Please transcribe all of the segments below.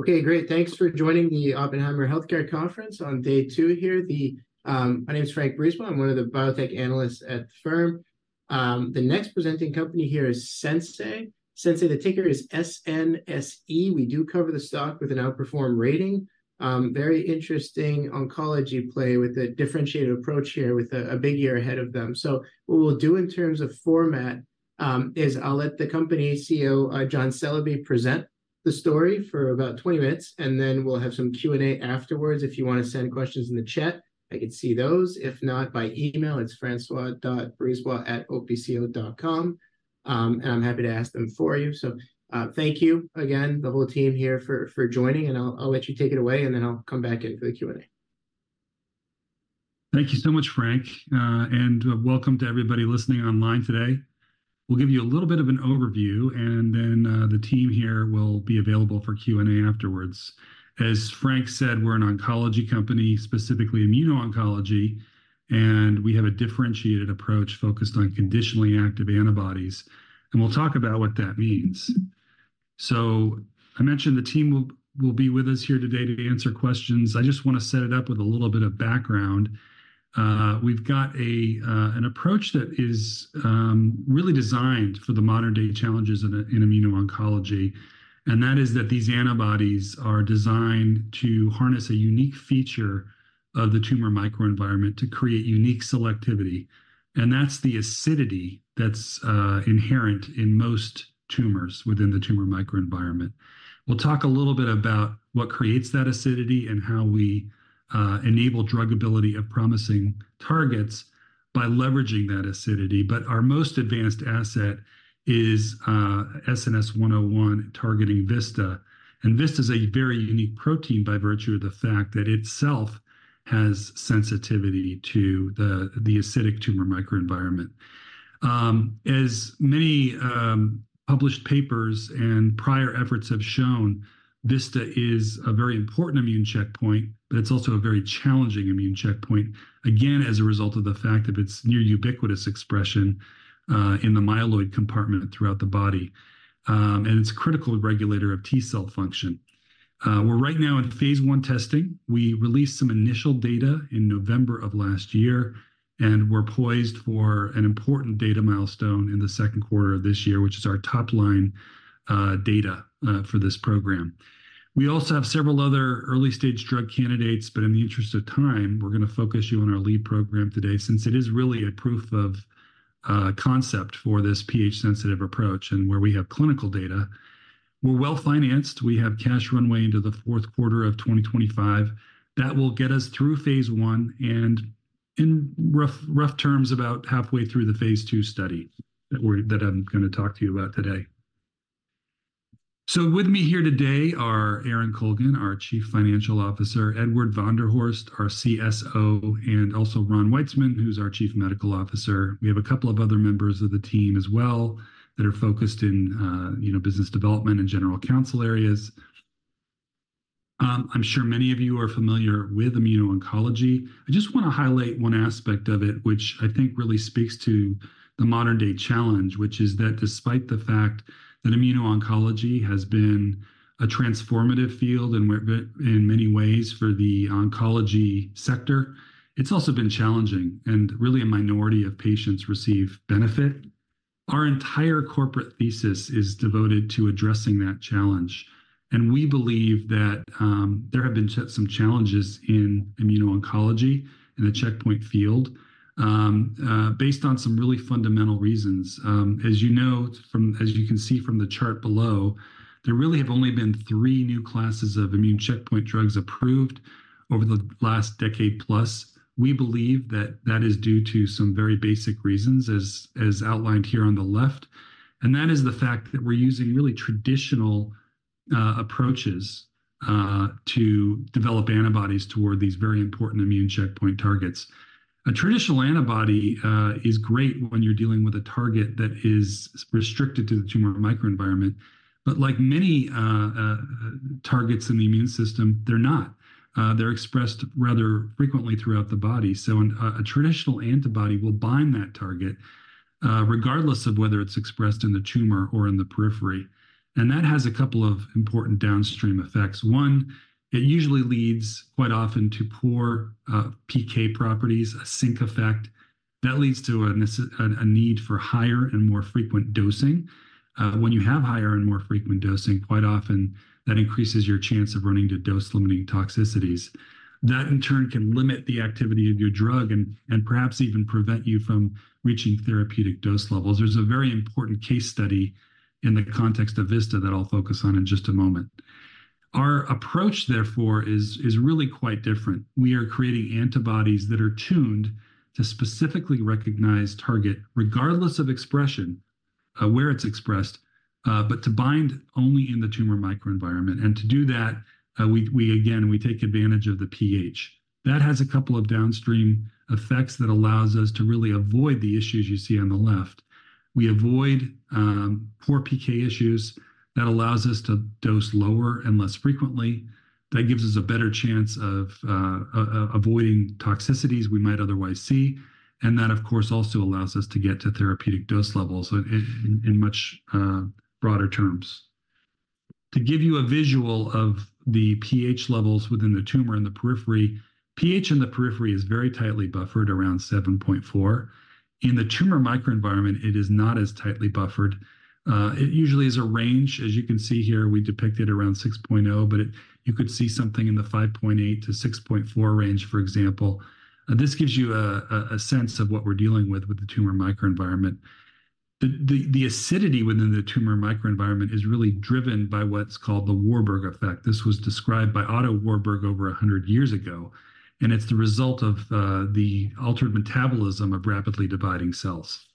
Okay, great. Thanks for joining the Oppenheimer Healthcare Conference on day 2 here. My name is François Brisebois. I'm one of the biotech analysts at the firm. The next presenting company here is Sensei. Sensei, the ticker is SNSE. We do cover the stock with an outperform rating. Very interesting oncology play with a differentiated approach here with a big year ahead of them. So what we'll do in terms of format is I'll let the company CEO, John Celebi, present the story for about 20 minutes, and then we'll have some Q&A afterwards. If you want to send questions in the chat, I can see those. If not, by email, it's francois.brisebois@opco.com, and I'm happy to ask them for you. Thank you again, the whole team here, for joining, and I'll let you take it away, and then I'll come back in for the Q&A. Thank you so much, Frank, and welcome to everybody listening online today. We'll give you a little bit of an overview, and then the team here will be available for Q&A afterwards. As Frank said, we're an oncology company, specifically immuno-oncology, and we have a differentiated approach focused on conditionally active antibodies, and we'll talk about what that means. So I mentioned the team will be with us here today to answer questions. I just want to set it up with a little bit of background. We've got an approach that is really designed for the modern-day challenges in immuno-oncology, and that is that these antibodies are designed to harness a unique feature of the tumor microenvironment to create unique selectivity. And that's the acidity that's inherent in most tumors within the tumor microenvironment. We'll talk a little bit about what creates that acidity and how we enable drug ability of promising targets by leveraging that acidity. But our most advanced asset is SNS-101 targeting VISTA, and VISTA is a very unique protein by virtue of the fact that itself has sensitivity to the acidic tumor microenvironment. As many published papers and prior efforts have shown, VISTA is a very important immune checkpoint, but it's also a very challenging immune checkpoint, again, as a result of the fact that it's near ubiquitous expression in the myeloid compartment throughout the body, and it's a critical regulator of T cell function. We're right now in phase 1 testing. We released some initial data in November of last year, and we're poised for an important data milestone in the Q2 of this year, which is our top line data for this program. We also have several other early-stage drug candidates, but in the interest of time, we're going to focus you on our lead program today since it is really a proof of concept for this pH-sensitive approach and where we have clinical data. We're well financed. We have cash runway into the Q4 of 2025. That will get us through phase one and, in rough terms, about halfway through the phase two study that I'm going to talk to you about today. So with me here today are Erin Colgan, our Chief Financial Officer, Edward van der Horst, our CSO, and also Ron Weitzman, who's our Chief Medical Officer. We have a couple of other members of the team as well that are focused in business development and general counsel areas. I'm sure many of you are familiar with immuno-oncology. I just want to highlight one aspect of it, which I think really speaks to the modern-day challenge, which is that despite the fact that immuno-oncology has been a transformative field in many ways for the oncology sector, it's also been challenging, and really a minority of patients receive benefit. Our entire corporate thesis is devoted to addressing that challenge, and we believe that there have been some challenges in immuno-oncology in the checkpoint field based on some really fundamental reasons. As you can see from the chart below, there really have only been three new classes of immune checkpoint drugs approved over the last decade plus. We believe that that is due to some very basic reasons, as outlined here on the left, and that is the fact that we're using really traditional approaches to develop antibodies toward these very important immune checkpoint targets. A traditional antibody is great when you're dealing with a target that is restricted to the tumor microenvironment, but like many targets in the immune system, they're not. They're expressed rather frequently throughout the body, so a traditional antibody will bind that target regardless of whether it's expressed in the tumor or in the periphery. That has a couple of important downstream effects. One, it usually leads quite often to poor PK properties, a sink effect. That leads to a need for higher and more frequent dosing. When you have higher and more frequent dosing, quite often that increases your chance of running into dose-limiting toxicities. That, in turn, can limit the activity of your drug and perhaps even prevent you from reaching therapeutic dose levels. There's a very important case study in the context of VISTA that I'll focus on in just a moment. Our approach, therefore, is really quite different. We are creating antibodies that are tuned to specifically recognize target regardless of expression, where it's expressed, but to bind only in the tumor microenvironment. To do that, again, we take advantage of the pH. That has a couple of downstream effects that allows us to really avoid the issues you see on the left. We avoid poor PK issues. That allows us to dose lower and less frequently. That gives us a better chance of avoiding toxicities we might otherwise see, and that, of course, also allows us to get to therapeutic dose levels in much broader terms. To give you a visual of the pH levels within the tumor and the periphery, pH in the periphery is very tightly buffered around 7.4. In the tumor microenvironment, it is not as tightly buffered. It usually is a range. As you can see here, we depicted around 6.0, but you could see something in the 5.8-6.4 range, for example. This gives you a sense of what we're dealing with with the tumor microenvironment. The acidity within the tumor microenvironment is really driven by what's called the Warburg effect. This was described by Otto Warburg over 100 years ago, and it's the result of the altered metabolism of rapidly dividing cells.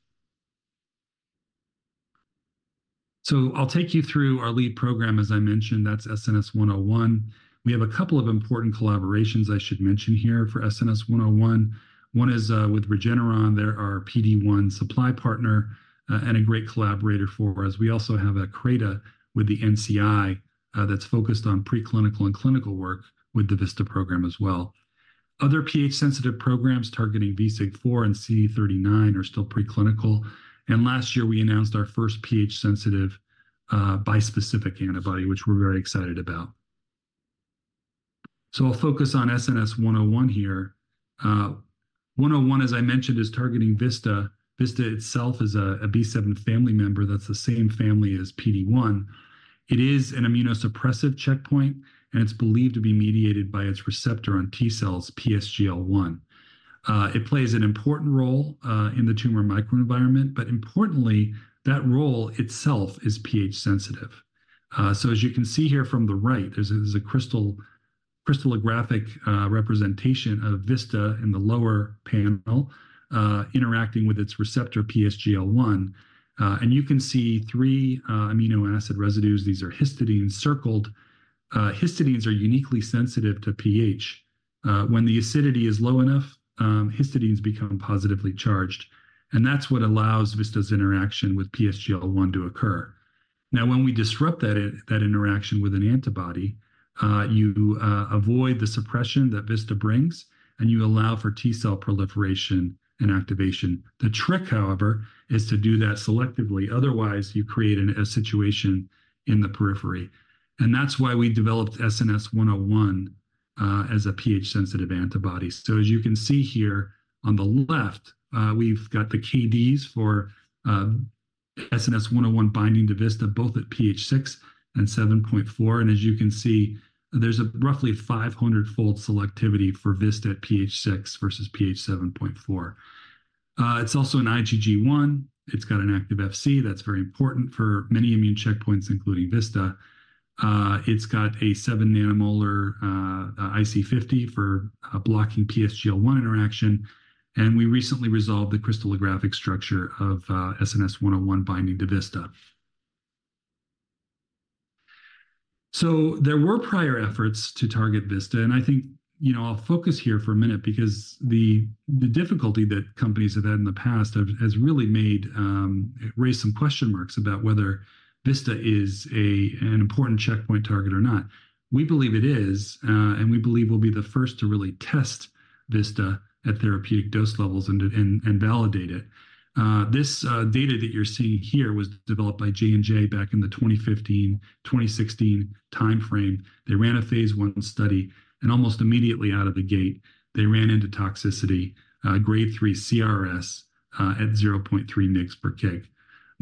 So I'll take you through our lead program. As I mentioned, that's SNS-101. We have a couple of important collaborations I should mention here for SNS-101. One is with Regeneron. They're our PD-1 supply partner and a great collaborator for us. We also have a CRADA with the NCI that's focused on preclinical and clinical work with the VISTA program as well. Other pH-sensitive programs targeting VSIG-4 and CD39 are still preclinical, and last year we announced our first pH-sensitive bispecific antibody, which we're very excited about. So I'll focus on SNS-101 here. 101, as I mentioned, is targeting VISTA. VISTA itself is a B7 family member. That's the same family as PD-1. It is an immunosuppressive checkpoint, and it's believed to be mediated by its receptor on T cells, PSGL-1. It plays an important role in the tumor microenvironment, but importantly, that role itself is pH-sensitive. So as you can see here from the right, there's a crystallographic representation of VISTA in the lower panel interacting with its receptor, PSGL-1, and you can see three amino acid residues. These are histidines circled. Histidines are uniquely sensitive to pH. When the acidity is low enough, histidines become positively charged, and that's what allows VISTA's interaction with PSGL-1 to occur. Now, when we disrupt that interaction with an antibody, you avoid the suppression that VISTA brings, and you allow for T cell proliferation and activation. The trick, however, is to do that selectively. Otherwise, you create a situation in the periphery, and that's why we developed SNS-101 as a pH-sensitive antibody. So as you can see here on the left, we've got the KDs for SNS-101 binding to VISTA, both at pH 6 and 7.4. And as you can see, there's a roughly 500-fold selectivity for VISTA at pH 6 versus pH 7.4. It's also an IgG1. It's got an active Fc. That's very important for many immune checkpoints, including VISTA. It's got a 7 nanomolar IC50 for blocking PSGL-1 interaction, and we recently resolved the crystallographic structure of SNS-101 binding to VISTA. So there were prior efforts to target VISTA, and I think I'll focus here for a minute because the difficulty that companies have had in the past has really raised some question marks about whether VISTA is an important checkpoint target or not. We believe it is, and we believe we'll be the first to really test VISTA at therapeutic dose levels and validate it. This data that you're seeing here was developed by J&J back in the 2015-2016 time frame. They ran a phase 1 study, and almost immediately out of the gate, they ran into toxicity, grade 3 CRS at 0.3 mg/kg.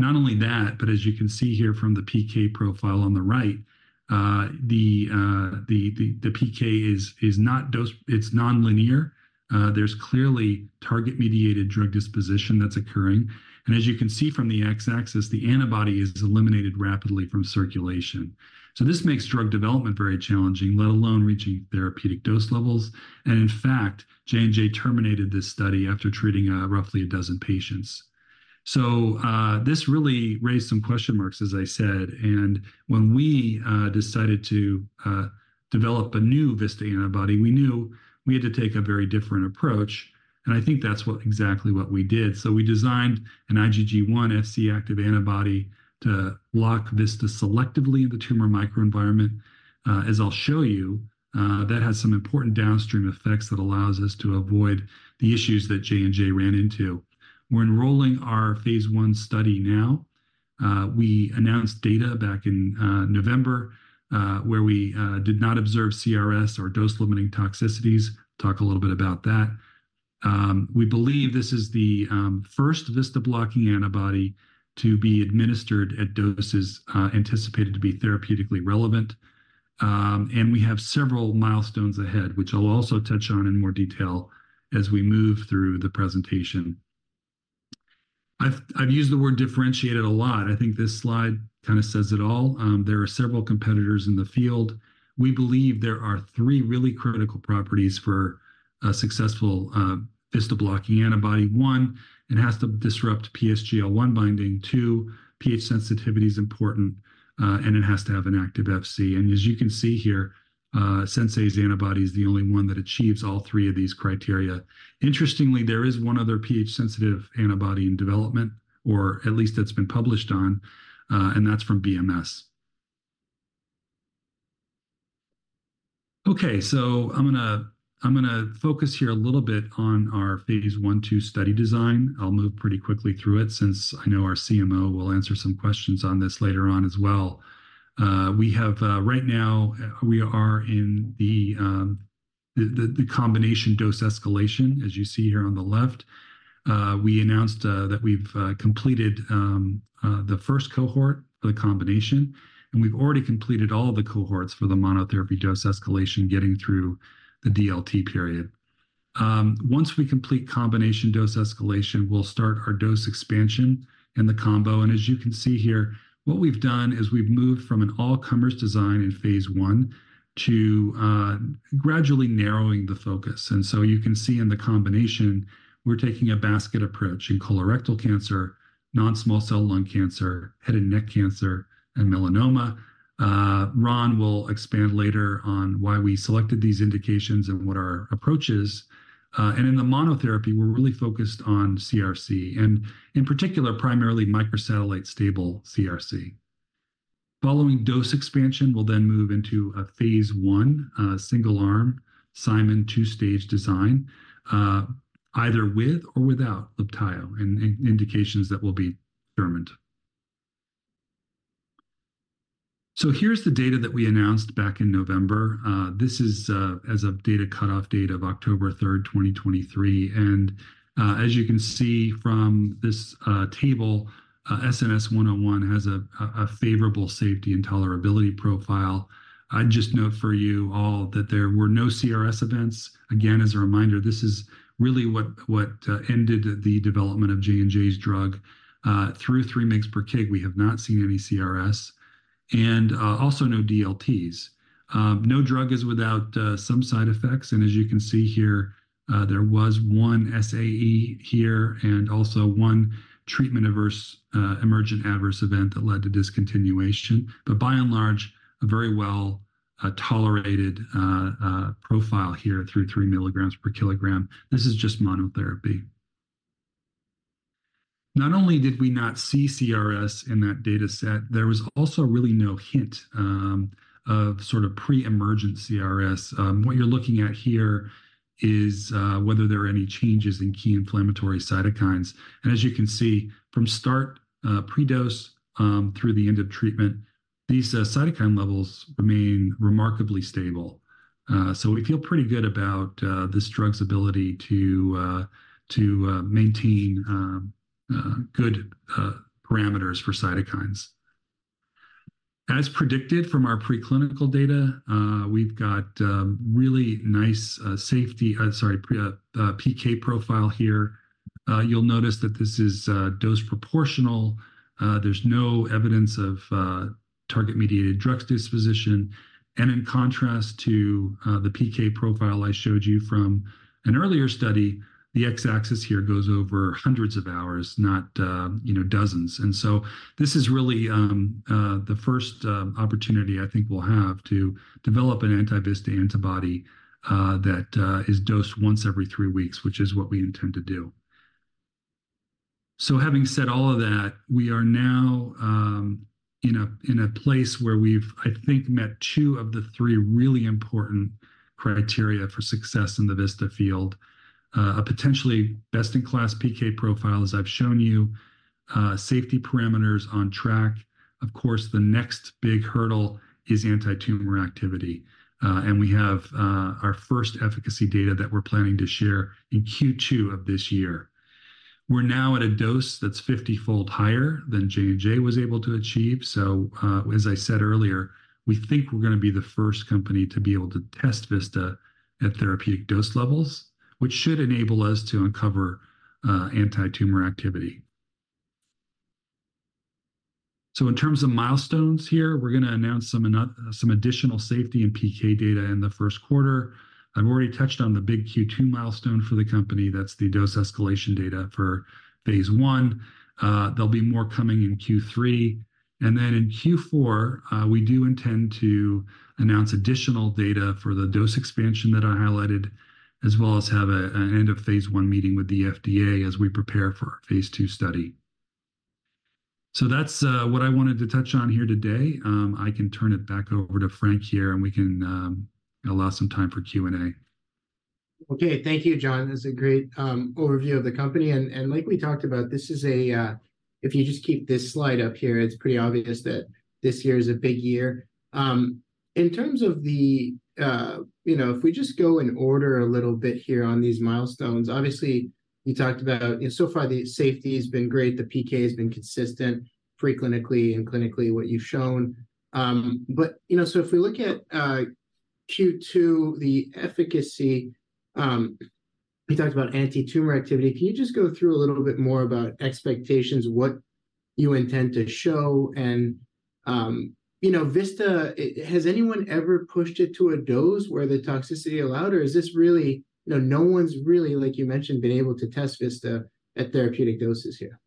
Not only that, but as you can see here from the PK profile on the right, the PK is nonlinear. There's clearly target-mediated drug disposition that's occurring, and as you can see from the x-axis, the antibody is eliminated rapidly from circulation. So this makes drug development very challenging, let alone reaching therapeutic dose levels. And in fact, J&J terminated this study after treating roughly a dozen patients. So this really raised some question marks, as I said, and when we decided to develop a new VISTA antibody, we knew we had to take a very different approach, and I think that's exactly what we did. So we designed an IgG1 FC active antibody to lock VISTA selectively in the tumor microenvironment. As I'll show you, that has some important downstream effects that allows us to avoid the issues that J&J ran into. We're enrolling our phase one study now. We announced data back in November where we did not observe CRS or dose-limiting toxicities. Talk a little bit about that. We believe this is the first VISTA-blocking antibody to be administered at doses anticipated to be therapeutically relevant, and we have several milestones ahead, which I'll also touch on in more detail as we move through the presentation. I've used the word differentiated a lot. I think this slide kind of says it all. There are several competitors in the field. We believe there are 3 really critical properties for a successful VISTA-blocking antibody. 1, it has to disrupt PSGL-1 binding. 2, pH sensitivity is important, and it has to have an active FC. And as you can see here, Sensei's antibody is the only one that achieves all three of these criteria. Interestingly, there is one other pH-sensitive antibody in development, or at least that's been published on, and that's from BMS. Okay, so I'm going to focus here a little bit on our phase 1/2 study design. I'll move pretty quickly through it since I know our CMO will answer some questions on this later on as well. Right now, we are in the combination dose escalation, as you see here on the left. We announced that we've completed the first cohort for the combination, and we've already completed all the cohorts for the monotherapy dose escalation getting through the DLT period. Once we complete combination dose escalation, we'll start our dose expansion and the combo. As you can see here, what we've done is we've moved from an all-comers design in phase one to gradually narrowing the focus. So you can see in the combination, we're taking a basket approach in colorectal cancer, non-small cell lung cancer, head and neck cancer, and melanoma. Ron will expand later on why we selected these indications and what our approach is. In the monotherapy, we're really focused on CRC, and in particular, primarily microsatellite stable CRC. Following dose expansion, we'll then move into a phase 1 single-arm Simon two-stage design, either with or without Libtayo and indications that will be determined. Here's the data that we announced back in November. This is a data cutoff date of October 3rd, 2023. As you can see from this table, SNS-101 has a favorable safety tolerability profile. I'd just note for you all that there were no CRS events. Again, as a reminder, this is really what ended the development of J&J's drug. Through 3 mg/kg, we have not seen any CRS and also no DLTs. No drug is without some side effects. As you can see here, there was one SAE here and also one treatment-emergent adverse event that led to discontinuation, but by and large, a very well-tolerated profile here through 3 milligrams per kilogram. This is just monotherapy. Not only did we not see CRS in that dataset, there was also really no hint of sort of treatment-emergent CRS. What you're looking at here is whether there are any changes in key inflammatory cytokines. As you can see, from start, pre-dose, through the end of treatment, these cytokine levels remain remarkably stable. We feel pretty good about this drug's ability to maintain good parameters for cytokines. As predicted from our preclinical data, we've got really nice safety, sorry, PK profile here. You'll notice that this is dose proportional. There's no evidence of target-mediated drug disposition. In contrast to the PK profile I showed you from an earlier study, the x-axis here goes over hundreds of hours, not dozens. So this is really the first opportunity, I think, we'll have to develop an anti-VISTA antibody that is dosed once every three weeks, which is what we intend to do. Having said all of that, we are now in a place where we've, I think, met two of the three really important criteria for success in the VISTA field. A potentially best-in-class PK profile, as I've shown you, safety parameters on track. Of course, the next big hurdle is anti-tumor activity, and we have our first efficacy data that we're planning to share in Q2 of this year. We're now at a dose that's 50-fold higher than J&J was able to achieve. So as I said earlier, we think we're going to be the first company to be able to test VISTA at therapeutic dose levels, which should enable us to uncover anti-tumor activity. So in terms of milestones here, we're going to announce some additional safety and PK data in the Q1. I've already touched on the big Q2 milestone for the company. That's the dose escalation data for phase 1. There'll be more coming in Q3. And then in Q4, we do intend to announce additional data for the dose expansion that I highlighted, as well as have an end-of-phase 1 meeting with the FDA as we prepare for our phase 2 study. So that's what I wanted to touch on here today. I can turn it back over to Frank here, and we can allow some time for Q&A. Okay, thank you, John. That's a great overview of the company. And like we talked about, this is a, if you just keep this slide up here, it's pretty obvious that this year is a big year. In terms of the, if we just go in order a little bit here on these milestones, obviously, you talked about so far, the safety has been great. The PK has been consistent preclinically and clinically, what you've shown. But so if we look at Q2, the efficacy, you talked about anti-tumor activity. Can you just go through a little bit more about expectations, what you intend to show? And VISTA, has anyone ever pushed it to a dose where the toxicity allowed, or is this really, no one's really, like you mentioned, been able to test VISTA at therapeutic doses here?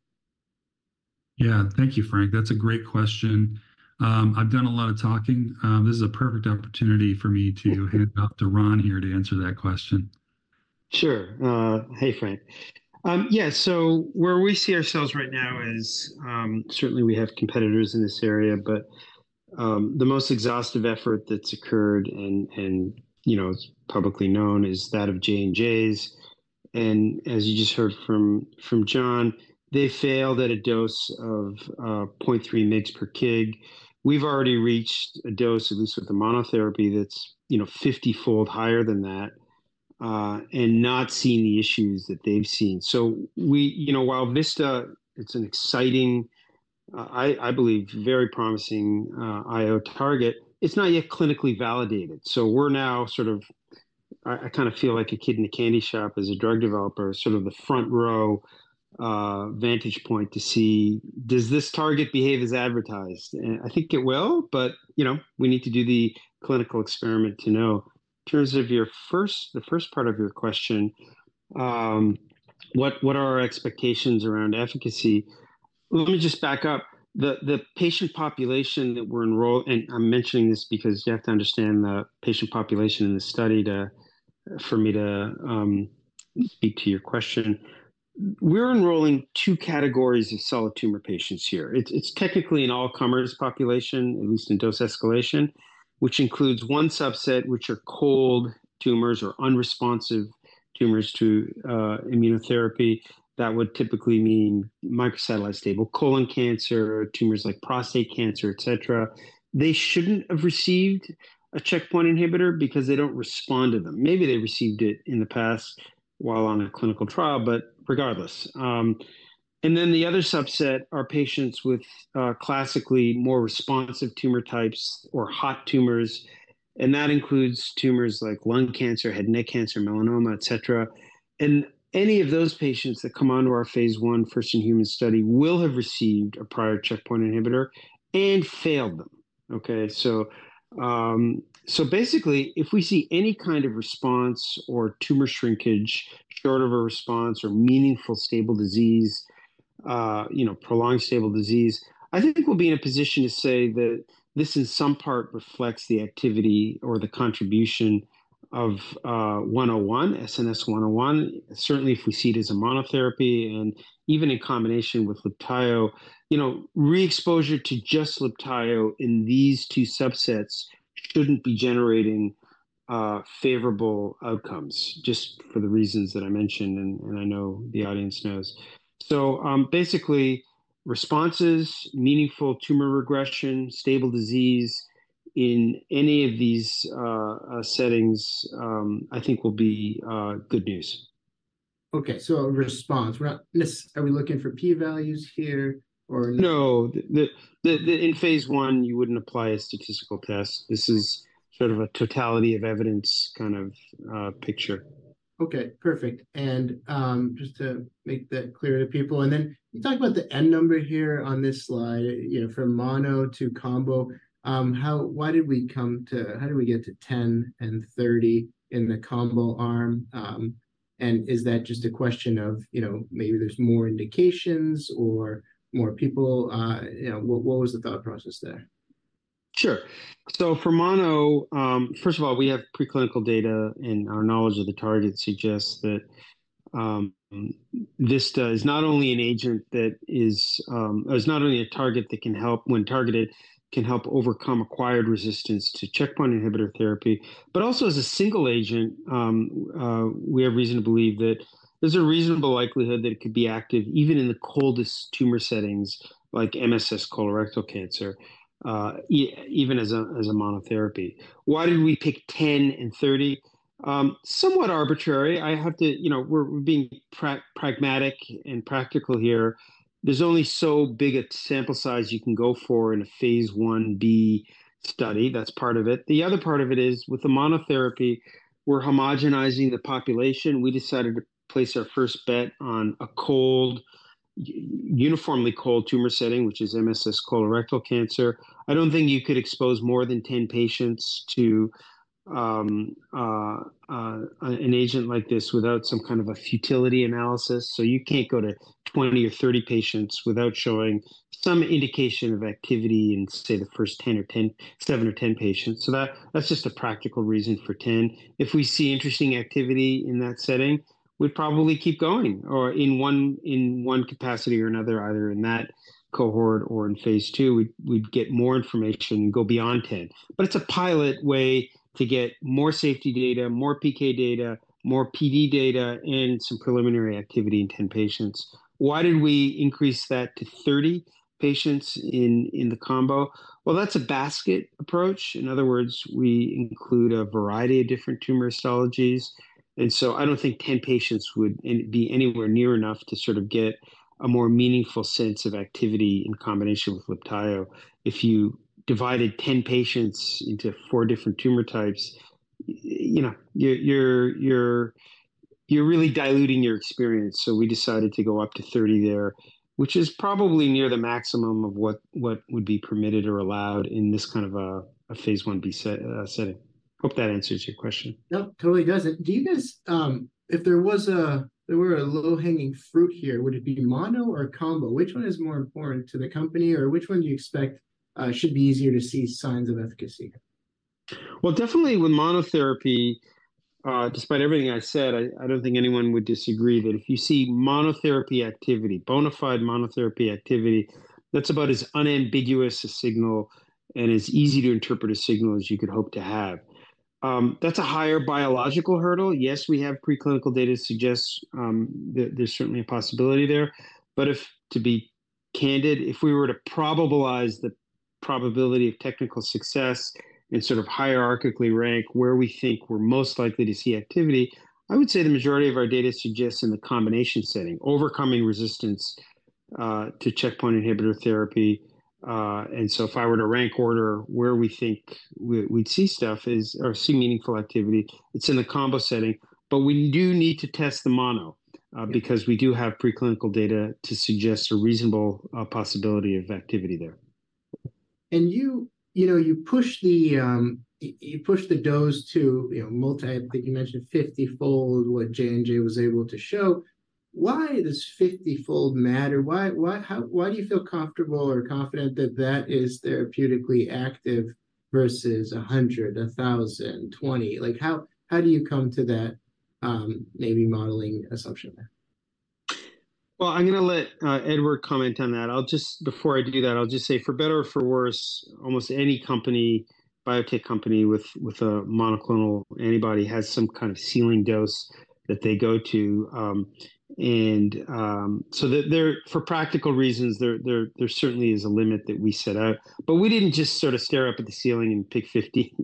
Yeah, thank you, Frank. That's a great question. I've done a lot of talking. This is a perfect opportunity for me to hand it off to Ron here to answer that question. Sure. Hey, Frank. Yeah, so where we see ourselves right now is certainly, we have competitors in this area, but the most exhaustive effort that's occurred and is publicly known is that of J&J's. And as you just heard from John, they failed at a dose of 0.3 mg/kg. We've already reached a dose, at least with the monotherapy, that's 50-fold higher than that and not seen the issues that they've seen. So while VISTA, it's an exciting, I believe, very promising I/O target, it's not yet clinically validated. So we're now sort of—I kind of feel like a kid in a candy shop as a drug developer, sort of the front-row vantage point to see, does this target behave as advertised? And I think it will, but we need to do the clinical experiment to know. In terms of the first part of your question, what are our expectations around efficacy? Let me just back up. The patient population that we're enrolling, and I'm mentioning this because you have to understand the patient population in this study for me to speak to your question. We're enrolling two categories of solid tumor patients here. It's technically an all-comers population, at least in dose escalation, which includes one subset, which are cold tumors or unresponsive tumors to immunotherapy. That would typically mean microsatellite stable colon cancer, tumors like prostate cancer, etc. They shouldn't have received a checkpoint inhibitor because they don't respond to them. Maybe they received it in the past while on a clinical trial, but regardless. And then the other subset are patients with classically more responsive tumor types or hot tumors. And that includes tumors like lung cancer, head and neck cancer, melanoma, etc. Any of those patients that come onto our phase 1 first-in-human study will have received a prior checkpoint inhibitor and failed them, okay? So basically, if we see any kind of response or tumor shrinkage, short of a response or meaningful stable disease, prolonged stable disease, I think we'll be in a position to say that this, in some part, reflects the activity or the contribution of 101, SNS-101, certainly if we see it as a monotherapy and even in combination with Libtayo. Re-exposure to just Libtayo in these 2 subsets shouldn't be generating favorable outcomes just for the reasons that I mentioned, and I know the audience knows. So basically, responses, meaningful tumor regression, stable disease in any of these settings, I think, will be good news. Okay, so response. Are we looking for p-values here or? No, in phase 1, you wouldn't apply a statistical test. This is sort of a totality of evidence kind of picture. Okay, perfect. And just to make that clear to people, and then you talked about the N number here on this slide from mono to combo. Why did we come to, how did we get to 10 and 30 in the combo arm? And is that just a question of maybe there's more indications or more people? What was the thought process there? Sure. So for mono, first of all, we have preclinical data, and our knowledge of the target suggests that VISTA is not only an agent that is—it's not only a target that can help when targeted—can help overcome acquired resistance to checkpoint inhibitor therapy, but also as a single agent, we have reason to believe that there's a reasonable likelihood that it could be active even in the coldest tumor settings like MSS colorectal cancer, even as a monotherapy. Why did we pick 10 and 30? Somewhat arbitrary. I have to—we're being pragmatic and practical here. There's only so big a sample size you can go for in a phase 1b study. That's part of it. The other part of it is with the monotherapy, we're homogenizing the population. We decided to place our first bet on a cold, uniformly cold tumor setting, which is MSS colorectal cancer. I don't think you could expose more than 10 patients to an agent like this without some kind of a futility analysis. So you can't go to 20 or 30 patients without showing some indication of activity in, say, the first seven or 10 patients. So that's just a practical reason for 10. If we see interesting activity in that setting, we'd probably keep going in one capacity or another, either in that cohort or in phase 2. We'd get more information and go beyond 10. But it's a pilot way to get more safety data, more PK data, more PD data, and some preliminary activity in 10 patients. Why did we increase that to 30 patients in the combo? Well, that's a basket approach. In other words, we include a variety of different tumor histologies. I don't think 10 patients would be anywhere near enough to sort of get a more meaningful sense of activity in combination with Libtayo. If you divided 10 patients into 4 different tumor types, you're really diluting your experience. We decided to go up to 30 there, which is probably near the maximum of what would be permitted or allowed in this kind of a phase 1b setting. Hope that answers your question. Nope, totally doesn't. Do you guys, if there were a low-hanging fruit here, would it be mono or combo? Which one is more important to the company, or which one do you expect should be easier to see signs of efficacy? Well, definitely with monotherapy, despite everything I said, I don't think anyone would disagree that if you see monotherapy activity, bona fide monotherapy activity, that's about as unambiguous a signal and as easy to interpret a signal as you could hope to have. That's a higher biological hurdle. Yes, we have preclinical data to suggest there's certainly a possibility there. But to be candid, if we were to probabilize the probability of technical success and sort of hierarchically rank where we think we're most likely to see activity, I would say the majority of our data suggests in the combination setting, overcoming resistance to checkpoint inhibitor therapy. And so if I were to rank order where we think we'd see stuff or see meaningful activity, it's in the combo setting. But we do need to test the mono because we do have preclinical data to suggest a reasonable possibility of activity there. You push the dose to multiple, you mentioned 50-fold what J&J was able to show. Why does 50-fold matter? Why do you feel comfortable or confident that that is therapeutically active versus 100, 1,000, 20? How do you come to that maybe modeling assumption there? Well, I'm going to let Edward comment on that. Before I do that, I'll just say, for better or for worse, almost any biotech company with a monoclonal antibody has some kind of ceiling dose that they go to. And so for practical reasons, there certainly is a limit that we set out. But we didn't just sort of stare up at the ceiling and pick 50.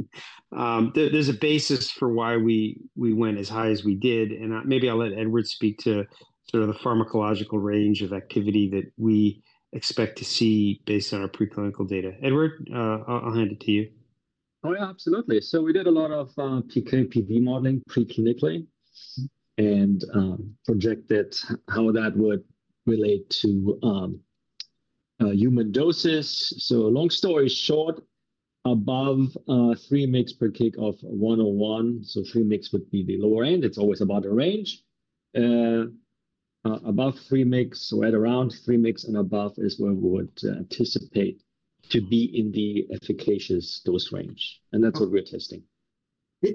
There's a basis for why we went as high as we did. And maybe I'll let Edward speak to sort of the pharmacological range of activity that we expect to see based on our preclinical data. Edward, I'll hand it to you. Oh, yeah, absolutely. So we did a lot of PK/PD modeling preclinically and projected how that would relate to human doses. So long story short, above 3 mgs per kg of 101, so 3 mgs would be the lower end. It's always about a range. Above 3 mgs or at around 3 mgs and above is where we would anticipate to be in the efficacious dose range. And that's what we're testing.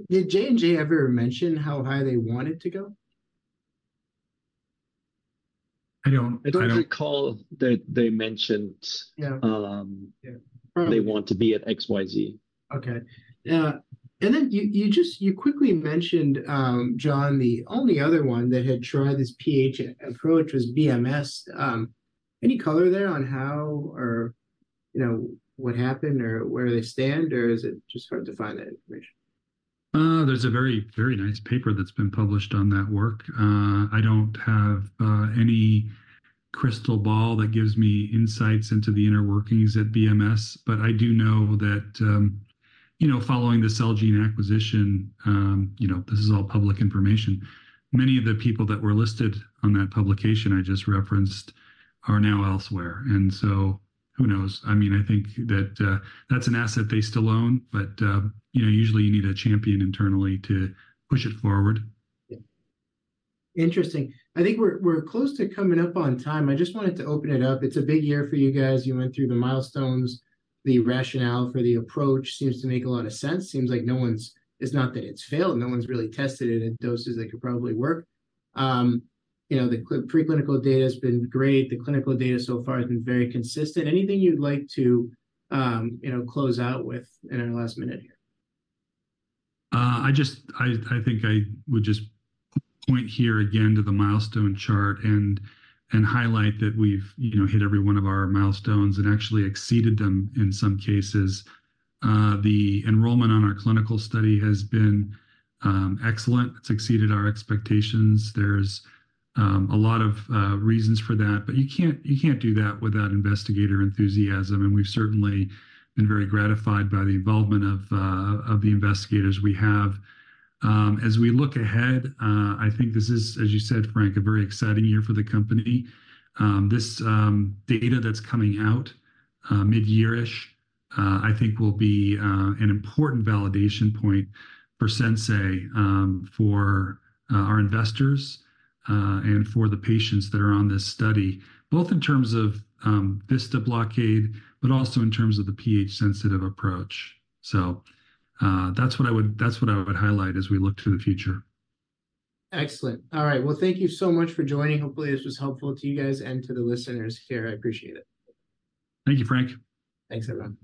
Did J&J ever mention how high they wanted to go? I don't recall that they mentioned they want to be at XYZ. Okay. And then you quickly mentioned, John, the only other one that had tried this pH approach was BMS. Any color there on how or what happened or where they stand, or is it just hard to find that information? There's a very, very nice paper that's been published on that work. I don't have any crystal ball that gives me insights into the inner workings at BMS, but I do know that following the Celgene acquisition, this is all public information, many of the people that were listed on that publication I just referenced are now elsewhere. And so who knows? I mean, I think that that's an asset they still own, but usually, you need a champion internally to push it forward. Interesting. I think we're close to coming up on time. I just wanted to open it up. It's a big year for you guys. You went through the milestones. The rationale for the approach seems to make a lot of sense. Seems like no one's. It's not that it's failed. No one's really tested it at doses that could probably work. The preclinical data has been great. The clinical data so far has been very consistent. Anything you'd like to close out with in our last minute here? I think I would just point here again to the milestone chart and highlight that we've hit every one of our milestones and actually exceeded them in some cases. The enrollment on our clinical study has been excellent. It's exceeded our expectations. There's a lot of reasons for that, but you can't do that without investigator enthusiasm. And we've certainly been very gratified by the involvement of the investigators we have. As we look ahead, I think this is, as you said, Frank, a very exciting year for the company. This data that's coming out mid-year-ish, I think, will be an important validation point for Sensei for our investors and for the patients that are on this study, both in terms of Vista blockade, but also in terms of the pH-sensitive approach. So that's what I would highlight as we look to the future. Excellent. All right. Well, thank you so much for joining. Hopefully, this was helpful to you guys and to the listeners here. I appreciate it. Thank you, Frank. Thanks, everyone.